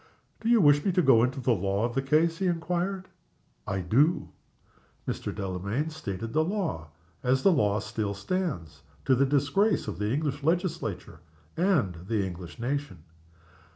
"Do you wish me to go into the law of the case?" he inquired. "I do." Mr. Delamayn stated the law, as that law still stands to the disgrace of the English Legislature and the English Nation.